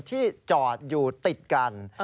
ที่จอดอยู่ติดกัน